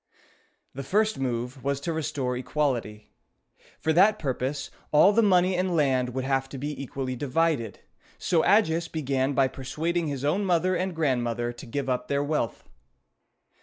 The first move was to restore equality. For that purpose, all the money and land would have to be equally divided, so Agis began by persuading his own mother and grandmother to give up their wealth.